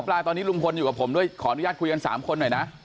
ปลายตอนนี้ลุงพลอยู่กับผมด้วยขออนุญาตคุยกัน๓คนหน่อยนะ